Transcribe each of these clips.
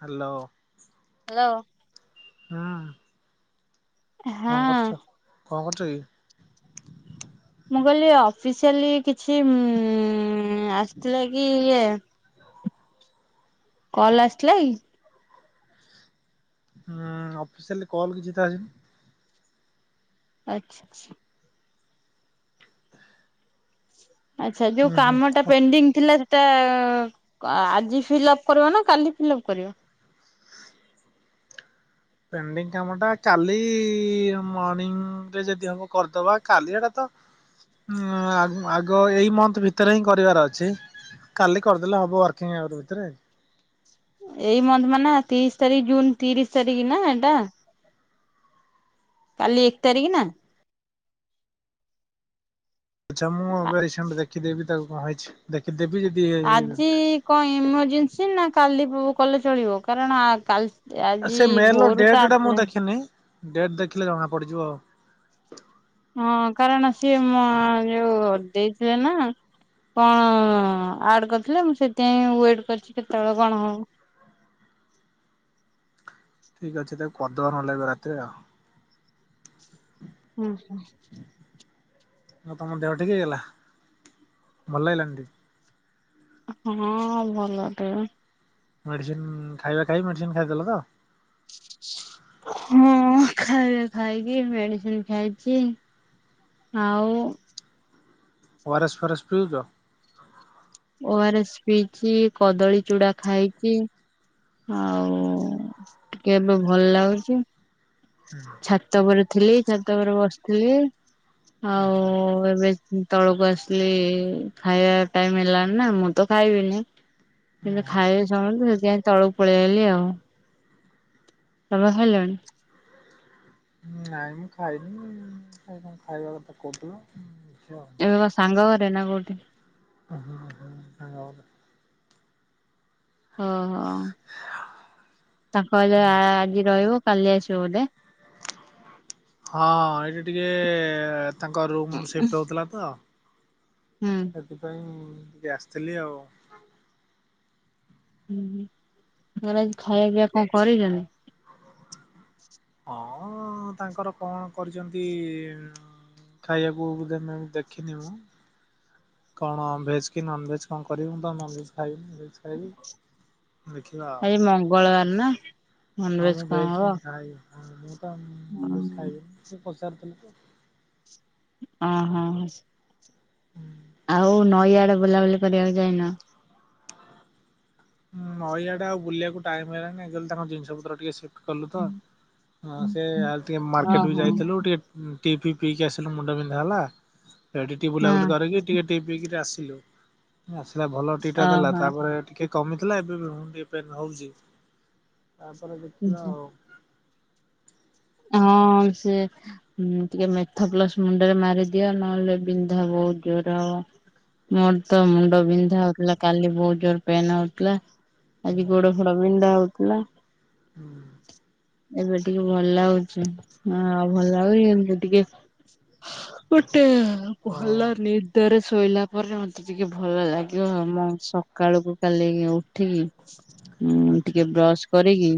Hello. Hello. ହୁଁ। କଣ କରୁଛ? ହଁ। କଣ କରୁଚ କି? ମୁଁ କହିଲି ଅଫିସିଆଲି କିଛି ଆସିଥିଲା କି ଇଏ? କଲ ଆସିଥିଲା କି? ହୁଁ ଅଫିସିଆ କଲ କିଛି ତ ଆସିନି? ଆଚ୍ଛା ଆଚ୍ଛା। ଆଚ୍ଛା ଯୋଉ ହୁଁ ହୁଁ। କାମ ଟା ହ ପେଣ୍ଡିଂ ଥିଲା? ତା ଆଜି ଫିଲ୍ଅପ କର ନା କାଲି ଫିଲଅପ କରିବ? ପେଣ୍ଡିଙ୍ଗ କାମ ଟା କାଲି ମର୍ଣିିଂରେ ଯଦି ହବ କରିଦବା କାଲି ଏଟା ତ ହଁ ଆଗ ଏଇ ମନ୍ଥ ଭିତରେ ହିଁ କରିବାର ଅଛି। କାଲି କରିଦେଲେ ହବ ୱାର୍କିଂ ଆୱାର ଭିତରେ। ଏଇ ମନ୍ଥ ମାନେ ତିରିଶ ତାରିଖ ଜୁନ ତିରିଶ ତାରିଖ ନା ଏଇଟା। କାଲି ଏକ ତାରିଖ ନା? ଆଚ୍ଛା ମୁଁ ଏବେ ରିସେଣ୍ଟ ଦେଖିଦବି ତାକୁ କଣ ହେଇଛି ଦେଖି ଆଜି କଣ ଇମର୍ଜେନ୍ସି ନା କାଲି କଲେ ଚଳିବ? କାରଣ ଆଜି ସେ ମେଲ ଭୋରୁ ତ ଡେଟ ଟା ମୁଁ ଆସିଲେ ଦେଖିନି ଡେଟ ଦେଖିଲେ ଜଣା ପଡିଯିବ ଆଉ। ହଁ କାରଣ ସିଏ ଯୋଉ ଦେଇଥିଲେ ନା। କଣ ଆଡ କରିଥିଲେ ମୁଁ ସେଥିପାଇଁ ୱେଟ କରିଛି କେତେବେଳେ କଣ ହବ? [inaudible] ଠିକ ଅଛି ତାକୁ କରିଦବା ନହେଲେ ଏବେ ରାତିରେ ଆଉ। ହୁଁ ହୁଁ। ଆଉ ତମ ଦେହ ଟିକେ ହେଇଗଲା ଭଲ ଲାଗିଲାନା ଟିକେ? ହଁ ଭଲ ଟେ। ମେଡିସିନ ଖାଇବା ଖାଇ ମେଡିସିନ ଖାଇଦେଲ ତ? ହୁଁ ଖାଇଲେ ଖାଇକି ମେଡିସିନ ଖାଇଛି। ଆଉ? ଓ ଆର ଏସ ଫାରେସ ପିଉଛ? ଓ ଆର ଏସ୍ ପିଇଛି, କଦଳୀ ଚୁଡା ଖାଇଛି। ଆଉ ଟିକେ ଏବେ ଭଲ ଲାଗୁଛି। ଛାତ ଉପରେ ଥିଲି ଛାତ ଉପରେ ବସିଥିଲି, ଆଉ ଆଚ୍ଛା ଏବେ ତଳକୁ ଆସିଲି ଖାଇବା ଟାଇମ ହେଲାଣି ନା ମୁଁ ତ ଖାଇବିନି। କିନ୍ତୁ ଓହୋ ଖାଇବେ ସମସ୍ତେ ସେଥିପାଇଁ ତଳକୁ ପଳେଇଲି। ଆଉ ତମେ ଖାଇଲଣି? ନାଇଁ ମୁଁ ଖାଇନି ଖାଇବା କଥା କହୁଥିଲ। ଦେଖିବା ଏ ବା ସାଙ୍ଗଘରେ ନା କୋଠି? ହ ହୁ ହୁଁ ସାଙ୍ଗ ଘରେ। ଓହୋ ତାଙ୍କ ଘରେ ଆଜି ରହିବ କାଲି ଆସିବ ବୋଧେ। ହଁ ଏଇଠି ଟିକେ ତାଙ୍କ ରୁମ ସିଫ୍ଟ ହଉଥିଲା ତ। ହୁଁ। ସେଥିପାଇଁ ଟିକେ ଆସିଥିଲି ଆଉ। [unintelligible] ଖାଇବା ପିଇଆ କଣ କରିଛନ୍ତି? ହଁ ତାଙ୍କର କଣ କରିଛନ୍ତି। ଖାଇବାକୁ ଦେମେ ଦେଖିନି ମୁଁ। କଣ ଭେଜ କି ନନଭେଜ କଣ କରିବେ ମୁଁ ତ ନନ ଭେଜ ଖାଇବିନି। ଭେଜ୍ ଖାଇବି ଦେଖିବା ଆଉ ଆଜି ମଙ୍ଗଳବାର ନା? ନନଭେଜ୍ କଣ ହବ। ନନ୍ଭେଜ୍ ଖାଇବିନି ପଚାରିଥିଲେ ତ। ହଁ ହଁ ହଁ। ହୁଁ ଆଉ ନଈଆଡେ ବୁଲାବୁଲି କରିବାକୁ ଯାଇନ? ହୁଁ ନଇଆଡେ ଆଉ ବୁଲିଆକୁ ଟାଇମ ହେଲାନି ମୁ କହିଲି ତାଙ୍କ ଜିନିଷ ପତ୍ର ଟିକେ କଲୁ ତ ହ ସେ ଆଉ ଟିକେ ମାର୍କେଟକୁ ଓହୋ ଯାଇଥିଲୁ, ଟିକେ ଟି ଫି ପିଇକି ଆସିଲୁ ମୁଣ୍ଡ ବିନ୍ଧା ହେଲା ଏଠି ଟିକେ ବୁଲାବୁଲି ହଁ କରିକି ଟି ପି କିରି ଆସିଲୁ। ଆସିଲା ଭଲ ଟି ଟା ଦେଲା ଓହୋ ତାପରେ ଟିକେ କମିଥିଲା ଏବେ ବି ପେନ୍ ହଉଛି ତାପରେ ଦେଖବା ଆଉ। ହଁ ସେ ଟିକେ ମେଥପ୍ଲସ ମୁଣ୍ଡରେ ମାରିଦିଅ ନହେଲେ ବିନ୍ଧା ବହୁତ ଜୋର ହବ। ମୋର ତ ମୁଣ୍ଡ ବିନ୍ଧା ହଉଥିଲା। କାଲି ବହୁତ ଜୋର ପେନ୍ ହଉଥିଲା। ଆଜି ଗୋଡ ଫୋଡ ବିନ୍ଧା ହଉଥିଲା। ହଁ ଏବେ ଟିକେ ଭଲ ଲାଗୁଛି ହ ଆଉ ଭଲ ଲାଗୁଛି ଏମିତି ଟିକେ ଗୋଟେ ଓ ଭଲ ନିଦରେ ଶୋଇଲା ପରେ ମତେ ଟିକେ ଭଲ ଲାଗିବ ମୁଁ ସକାଳକୁ କାଲିକି ଉଠିକି ହୁଁ ଆଚ୍ଛା। ଟିକେ ବ୍ରଶ କରିକି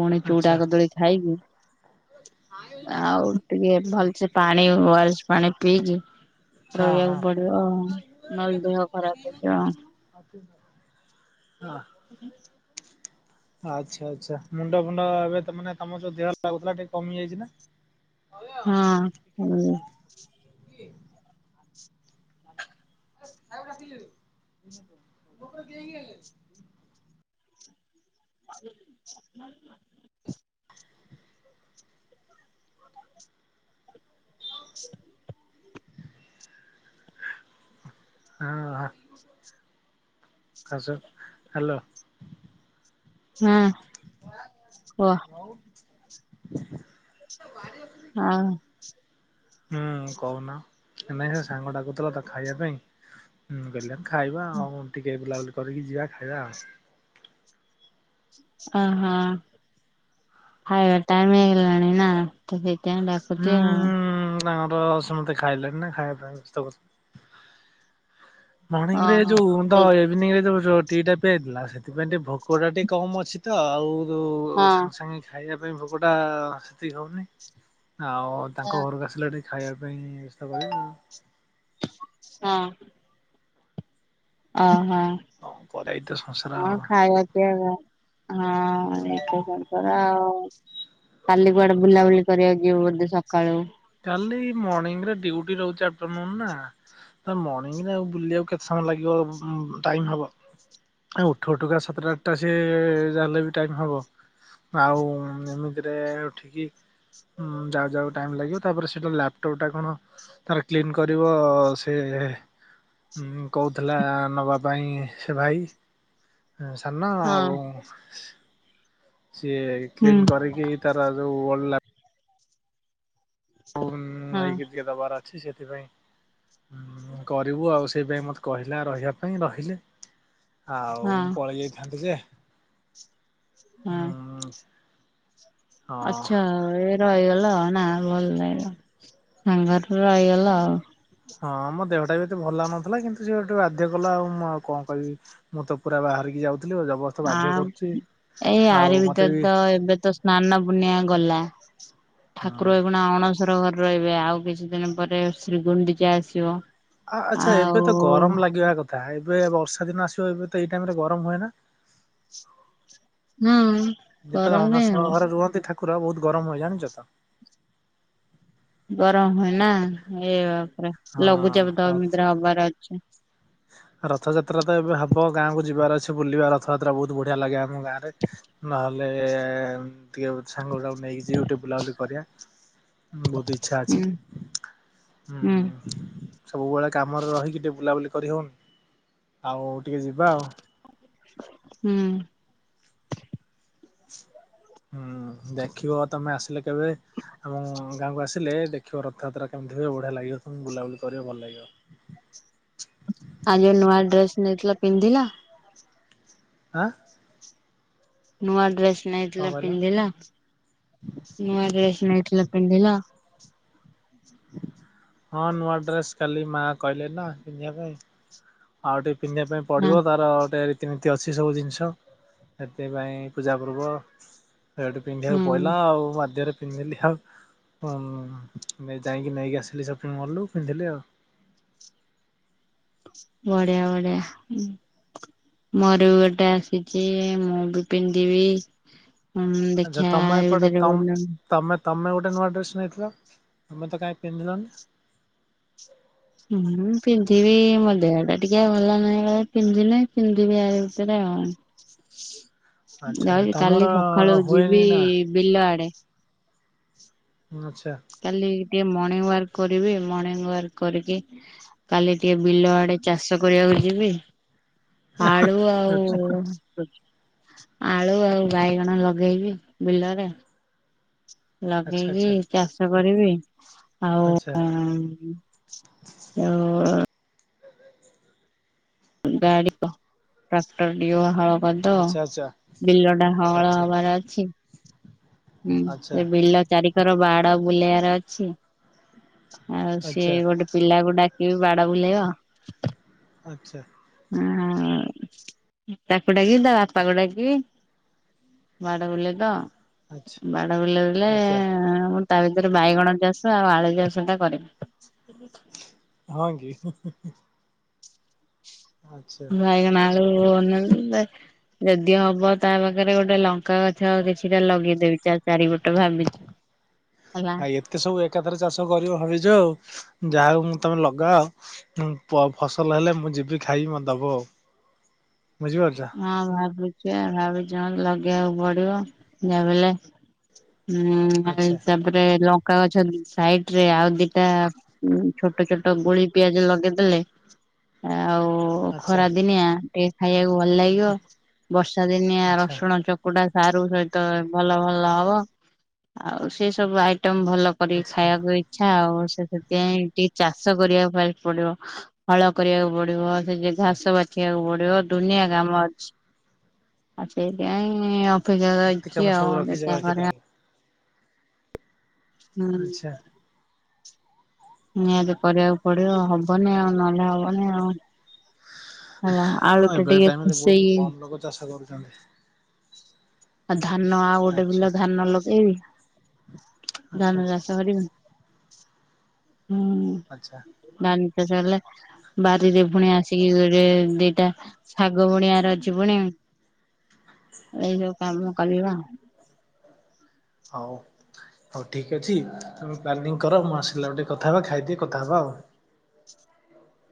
ପୁଣି ଚୁଡ଼ା ଆଚ୍ଛା କଦଳୀ ଖାଇକି ଆଉ ଟିକେ ଭଲସେ ପାଣି ୱାଳସ ପାଣି ପିଇକି ହଁ ରହିବାକୁ ପଡିବ ଆଉ ନହେଲେ ଦେହ ଖରାପ ହେଇଯିବ। ହଁ ହଁ ହୁଁ [unintelligible] ହ [inaudible] ଆଚ୍ଛା ଆଚ୍ଛା ମୁଣ୍ଡ ଫୁଣ୍ଡ ଏବେ ତମର ଯୋଉ ଦେହ ଲାଗୁଥିଲା ଟିକେ କମି ଯାଇଛି ନା? ହଁ। [inaudible] ଆ ଖାଇବାକୁ ଡାକିକି ଦେଇଦବୁ [unintelligible] [inaudible] [unintelligible] ହଁ ଆ ଆସ ହ୍ୟାଲୋ। ହଁ ଓ। ହଁ। ହୁଁ କହୁନ। ନାଇଁ ସେ ସାଙ୍ଗ ଡାକୁଥିଲା ତ ଖାଇବା ପାଇଁଁ ମୁଁ କହିଲି ଖାଇବା ଆଉ ଟିକେ ବୁଲାବୁଲି କରିକି। ଯିବା ଖାଇବା ଆଉ। ଅ ହଁ। ଖାଇବା ଟାଇମ ହେଇଗଲାଣି ନା। [unintelligible] ସେଥିପାଇଁ ଡାକୁଥିବେ ଆଉ। ନା ଆମର ସମସ୍ତେ ଖାଇଲେଣି ନା। ଖାଇବା ପାଇଁ ସବୁ ମର୍ଣ୍ଣିିଂ ରେ ଓହୋ ଯୋଉ ସେଇ [unintelligible] ଇଭିନିଂ ରେ ଯୋଉ ଟି ଟା ପିଆହେଇଥିଲା। ସେଥିପାଇଁ ଟିକେ ଭୋକ ଟା ଟିକେ କମ ଅଛି ତ ଆଉ ହଁ ସାଙ୍ଗେ ସାଙ୍ଗେ ଖାଇବା ସେଥିପାଇଁ ଭୋକ ଟା ସେତିକି ହଉନି। ଆଉ ତାଙ୍କ ହଁ ଘରକୁ ଆସିଲେ ଏଠି ଖାଇବା ପାଇଁ ବେସ୍ତ କଲେ ଆଉ। ହଁ। ଅ ହଁ। [unintelligible] ହଁ, ଆଉ। ଖାଇବା ପିଇବା ହଁ ଏଇତ। [unintelligible] ହଉ। କାଲି କୁଆଡେ ବୁଲାବୁଲି କରିବା ଯିବୁ ବୋଧେ ସକାଳୁ? କାଲି ମର୍ଣିଂରେ ଡ୍ୟୁଟି ରହୁଛି ଆଫ୍ଟରନୁନ ନା। ମର୍ଣିଂରେ ଆଉ ବୁଲି ବାକୁ କେତେ ସମୟ ଲାଗିବ ଟାଇମ ହବ। ଉଠୁ ଉଠୁ କା ସାତଟା ଆଠଟା ସିଏ ଯାହେଲେ ବି ଟାଇମ ହବ। ଆଉ ଏମିତିରେ ଉଠିକି ଯାଉ ଯାଉ ଟାଇମ ଲାଗିବ। ତାପରେ ସେଇଟା ଲାପଟପ୍ ଟା କଣ ତାର କ୍ଲିନ କରିବ ସେ ହୁଁ, କହୁଥିଲା ନବା ପାଇଁ ସେ ଭାଇ। ସାନ ହଁ ଆଉ ସିଏ ହୁଁ କ୍ଲିନ୍ କରିକି ତାର ଯଉ ଓଲ [inaudible] ହୁଁ, ଏଇକି ଟିକେ ଦବାର ଅଛି ସେଥିପାଇଁଁ କରିବୁ ଆଉ। ସେଇଥିପାଇଁ ମତେ କହିଲା ରହିବା ପାଇଁ ରହିଲି। ଆଉ ହଁ ମୁଁ ପଳେଇ ଯାଇଥାନ୍ତି ଯେ ହଁ। ହୁଁ ହଁ ଆଚ୍ଛା। ଏ ରହିଗଲ। ନା, ଭଲ ଲାଗିଲା। ସାଙ୍ଗରେ ରହିଗଲା ଆଉ। ହଁ, ମୋ ଦେହଟା ବି ଏତେ ଭଲ ଲାଗୁନଥିଲା। କିନ୍ତୁ ସିଏ ଗୋଟେ ବାଧ୍ୟ କଲା ଆଉ କଣ କହିବି ମୁଁ ତ ପୁରା ବାହାରିକି ଯାଉ ଆ ଏଇ ଆଉ ଆରି ମତେ ଭିତରେ ବି ତ ଏବେ ତ ସ୍ନାନ ପୂର୍ଣ୍ଣିମା ଗଲା। ହଁ ଠାକୁର ଏଇଗୁଣା ଅଣ ଅଣସର ଘରେ ରହିବେ। ଆଉ କିଛି ଦିନ ପରେ ଶ୍ରୀଗୁଣ୍ଡିଚା ଆସିବ। ଆ ଆଚ୍ଛା, ଆଉ ଏବେ ତ ଗରମ ଲାଗିବା କ ତା ଏବେ ବର୍ଷା ଦିନ ଆସିବ ଏବେ ତ ଏଇ ଟାଇମରେ ଗରମ ହୁଏ ନା। ହୁଁ ଯେତେବେଳେ ଗରମ କାଇଁ ହବ। ଅଣସର ଘରେ ରୁହନ୍ତି ଠାକୁ କୁର ବହୁତ ଗରମ ହୁଏ ଜାଣିଚ ତ? ଗରମ ହୁଏ ନା, ଏଇ ବାପ୍ ରେ ହଁ ଲଘୁଚାପ ତ ଆଉ ଏମିତିରେ ହବାର ଅଛି। ରଥଯାତ୍ରା ତ ଏବେ ହବ ଗାଁକୁ ଯିବାର ଅଛି ବୁଲିବା ରଥଯାତ୍ରା ବହୁତ ବଢ଼ିଆ ଲାଗେ। ଆମ ଗାଁରେ ନହେଲେ ଟିକେ ସାଙ୍ଗ ଗୁଡା ନେଇକି ଯିବି ଟିକେ ବୁଲାବୁଲି କରିବା ବହୁତ ଇଚ୍ଛା ହୁଁ ଅଛି। ହୁଁ, ସବୁବେଳେ କାମରେ ରହିକି ଟିକେ ବୁଲାବୁଲି କରିହବ। ଆଉ ଟିକେ ଯିବା ଆଉ। ହୁଁ ହୁଁ, ଦେଖିବ ତମେ ଆସିଲେ କେବେ ଏବଂ ଗାଁକୁ ଆସିଲେ ଦେଖିବ ରଥଯାତ୍ରା [unintelligible] ବଢିଆ ଲାଗିବ ତମକୁ। ବୁଲାବୁଲି କରିବାକୁ ଭଲ ଲାଗିବ। ଆଉ ଯୋଉ ନୂଆ ଡ୍ରେସ୍ ନେଇଥିଲ ପିନ୍ଧିଲ? ଆଁ? ନୂଆ ଡ୍ରେସ୍। କଣ ନେଇଥିଲ କହିଲ ପିନ୍ଧିଲ। ନୂଆ ଡ୍ରେସ୍ ନେଇଥିଲ ପିନ୍ଧିଲ? ହଁ, ନୂଆ ଡ୍ରେସ୍ କାଲି ମା କହିଲେ ନା ପିନ୍ଧିବା ପାଇଁ। ଆଉ ଟିକେ ପିନ୍ଧିବା ପାଇଁ ନା ପଡିବ ତାର ଗୋଟେ ରିତି ନି ତି ଅଛି ସବୁ ଜିନିଷ ସେଥିପାଇଁ ପୂଜା ପର୍ବ ସେଇଠୁ ହୁଁ ପିନ୍ଧିବାକୁ ପଇଲା ଆଉ ବାଧ୍ୟରେ। ପିନ୍ଧିଲି ଆଉ ଯାଇକି ନେଇକି ଆସିଲି ସପିଙ୍ଗ ମହଲ ରୁ ପିନ୍ଧିଲି ଆଉ। ବଢ଼ିଆ ବଢ଼ିଆ। ମୋର ବି ଗୋଟେ ଆସିଛି ମୁଁ ବି ପିନ୍ଧିବି ହୁଁ, ଆଚ୍ଛା ଦେଖିବା ତମ ଏଇ ଏପଟେ ଭିତରେ ତମ କଉଟି ଗୋଟେ ତମେ ତମେ ଗୋଟେ ନୂଆ ଡ୍ରେସ୍ ନେଇଥିଲ ତମେ ତ କାହିଁ ପିନ୍ଧିଲନି? ହୁଁ ପିନ୍ଧିବି ମୋ ଦେହ ଟା ଟିକେ ଭଲ ନାହିଁ ବୋଲି ପିନ୍ଧିନେଇ ପିନ୍ଧିବି ଆରି ଭିତରେ। ହଁ ଆଚ୍ଛା ଆଚ୍ଛା ଯାଉଛି ତମର କାଲି ସକାଳୁ ଯିବି ହୁଏନି ନା ବିଲ ଆଡେ। ଆଚ୍ଛା। କାଲି ଟିକେ ମର୍ଣ୍ଣିଂ ୱାର୍କ କରିବି ମର୍ଣ୍ଣିଂ ୱାର୍କ କରିକି କାଲି ଟିକେ ବିଲ ଆଡେ ଚାଷ କରିବାକୁ ଯିବି ଆଳୁ ଆଚ୍ଛା ଆଉ ଆଳୁ ଆଉ ବାଇଗଣ ଲଗେଇବି ବିଲରେ। ଲଗେଇକି ଆଚ୍ଛା ଚାଷ କରିବି। ଆଉ ଆ ଅ ଗାଡି ଟ୍ରାକ୍ଟର ଡିଓ। ହଳ କରିଦବ ଆଚ୍ଛା ଆଚ୍ଛା ବିଲ ଟା ହଳ ଆଚ୍ଛା ହବାର ଅଛି। ହୁଁ ଆଚ୍ଛା। ଆଚ୍ଛା ଆଚ୍ଛା ସେ ବିଲ ଚାରିିକର ବା ବୁଲେଇବାର ଅଛି ଆଉ ସିଏ ଆଚ୍ଛା ଗୋଟେ ପିଲାକୁ ଡାକ କେବେ ବାଡ ବୁଲେଇବ? ଆଛା। ହୁଁ ଉଁ ଆଉ ତାକୁ ଡାକିବି ତା ବାପାକୁ ଡାକିବି। ବାଡ ବୁଲେଇଦେବ ଆଚ୍ଛା ବାଡ ବୁଲେଇ ଦେଲେ ଆଚ୍ଛା ତା ଭିତରେ ବାଇଗଣ ଚାଷ ଆଉ ଆଳୁ ଚାଷ ଟା କରିବି। ହଁ କି ହୁଁ ହୁଁ ବାଇଗଣ ଆଳୁ ଯଦି ହବ ତା ପାଖରେ ଗୋଟେ ଲଙ୍କା ଲଙ୍କା ଗଛ ଆଉ କିଛିଟା ଲଗେଇଦେବି ତା ଚାରିପଟ ଭାବିଚି। ଆ ଏତେ ସବୁ ଏକାଥରେ ଚାଷ କରିବ ଭାବିଛ ଆଉ ଯାହା ହଉ। ତମେ ଲଗାଅ ଫସଲ ହେଲେ ମୁଁ ଯିବି ଖାଇବି ମତେ ଦବ ଆଉ। ବୁଝିପାରୁଛ ହଁ ଭାବୁଛି ଭାବୁଛି ଲଗେଇବାକୁ ପଡିବ ଯାହାବି ହେଲେ। ହୁଁ ଆଚ୍ଛା। ତାପରେ ଲଙ୍କା ଲଙ୍କା ଗଛ ସାଇଟରେ ଆଉ ଦିଟା ଛୋଟ ଛୋଟ ଗୁଳି ପିଆଜ ଲଗେଇଦେଲେ ଆଉ ଆଚ୍ଛା ଖରା ଦିନିଆ ଟିକେ ଖାଇବାକୁ ଭଲ ଲାଗିବ ବର୍ଷା ଦିନିଆ ଆଚ୍ଛା ରସୁଣ ଚକୁଡା ସାରୁ ସହିତ ଭଲ ଭଲ ହବ ଆଉ ସେ ସବୁ ଆଇ ଆଇଟମ୍ ଭଲ କରିକି ଆଚ୍ଛା ଖାଇବାକୁ ଇଚ୍ଛା ଆଉ। ସେଥିପାଇଁ ଟିକେ ଚାଷ କରିବାପାଇଁ ପଡିବ ହଳ କରିବାକୁ ପଡିବ ସେ ଯଉ ଘାସ ବାଛି ବାଛିବାକୁ ପଡିବ ଦୁନିଆ କାମ ଅଛି ଆଉ ସେଇଥିାଇଁ ଯା ଏତେ କାମ ଅଛିି ସବୁ ଆଉ ରଖିଛ ଦେଖିଆ ବାକି କରିବା। ତାହେଲେ। ହୁଁ। ଆଚ୍ଛା ନିହାତି କରିବାକୁ ପଡିବ ହବନି ଆଉ ନହେଲେ ହବନି ଆଉ। ହେଲା ଆଳୁ ହଁ ଟା ଏବେ ଟିକେ ଟାଇମରେ ଖୁସେଇ ବହୁତ କମ ଲୋକ ଚାଷ କରୁଛନ୍ତି। ଆଉ ଧାନ ଆଉ ଗୋଟେ ଆଚ୍ଛା ବିଲ ଧାନ ଲଗେଇବି। ଆଚ୍ଛା ଧାନ ଚାଷ କରିବି। ଆଛା। ଶେଷ କଲେ ବାରିରେ ପୁଣି ଆସିକି ଗୋଟେ ଦିଟା ଶାଗ ବୁଣିଆର ଅଛି ପୁଣି। [inaudible] ଏଇ ସବୁ କାମ କରିବା। ହଉ। ହଉ ଠିକ ଅଛି ତମେ ପ୍ଲାନିଂ କର ମୁଁ ଆସିଲାକୁଟିକେ କଥା ହବା ଖାଇଦିଏ କଥାହବା ଆଉ।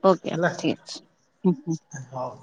ଓକେ ହେଲା ଠିକ ଅଛି। ହଉ।